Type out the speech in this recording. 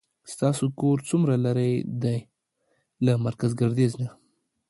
ستاسو کور څومره لری ده له مرکز ګردیز نه